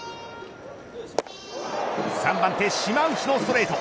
３番手島内のストレート。